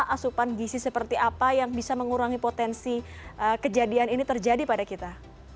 asupan gisi seperti apa yang bisa mengurangi potensi kejadian ini terjadi pada kita